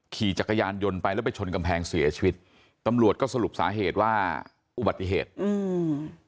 ขี่จักรยานยนต์ไปแล้วไปชนกำแพงเสียชีวิตตำรวจก็สรุปสาเหตุว่าอุบัติเหตุอืม